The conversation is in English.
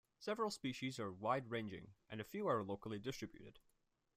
Several species are wide-ranging and a few are locally distributed.